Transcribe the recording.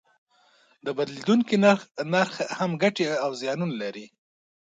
د بدلیدونکي نرخ هم ګټې او زیانونه لري.